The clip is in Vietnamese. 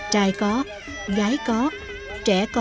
trai có gái có trẻ có già có